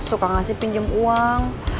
suka ngasih pinjem uang